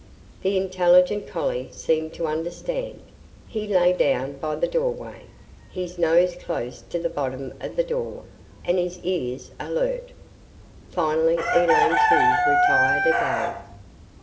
The intelligent collie seemed to understand. He lay down by the doorway, his nose close to the bottom of the door and his ears alert. Finally Elaine, too, retired again.